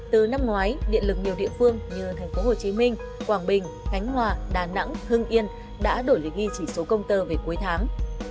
từ năm ngoái điện lực nhiều địa phương như tp hcm quảng bình khánh hòa đà nẵng hưng yên đã đổi ghi chỉ số công tơ về cuối tháng